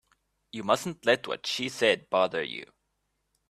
You mustn't let what she said bother you.